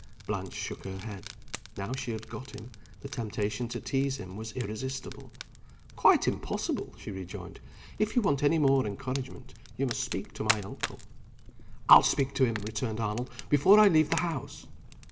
Blanche shook her head. Now she had got him, the temptation to tease him was irresistible. "Quite impossible!" she rejoined. "If you want any more encouragement, you must speak to my uncle." "I'll speak to him," returned Arnold, "before I leave the house."